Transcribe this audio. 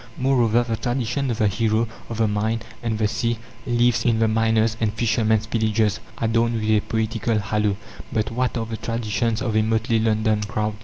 Moreover, the tradition of the hero of the mine and the sea lives in the miners' and fishermen's villages, adorned with a poetical halo. But what are the traditions of a motley London crowd?